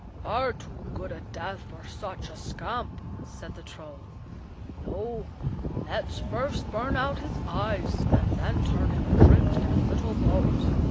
"Far too good a death for such a scamp," said the Troll. "No! let's first burn out his eyes, and then turn him adrift in a little boat."